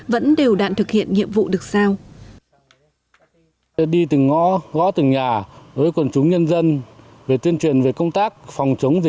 vẫn đều đạn thực hiện nhiệm vụ được sao